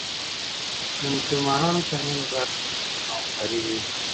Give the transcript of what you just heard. د مسلمانانو ترمنځ باید تعاون او همکاري وي.